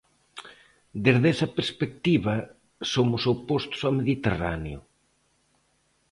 Desde esa perspectiva somos opostos ao Mediterráneo.